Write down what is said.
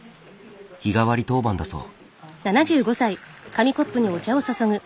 日替わり当番だそう。